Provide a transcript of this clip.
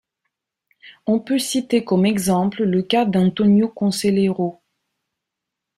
On peut citer comme exemple le cas d'Antônio Conselheiro.